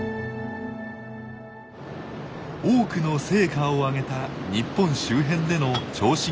多くの成果を上げた日本周辺での超深海調査。